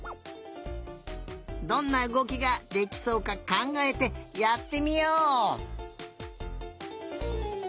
どんなうごきができそうかかんがえてやってみよう！